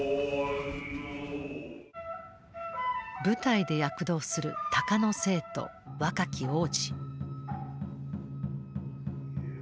舞台で躍動する鷹の精と若き王子。